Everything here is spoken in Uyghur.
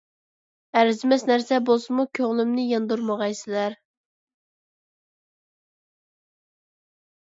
ئەرزىمەس نەرسە بولسىمۇ، كۆڭلۈمنى ياندۇرمىغايسىلەر.